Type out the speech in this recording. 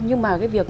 nhưng mà cái việc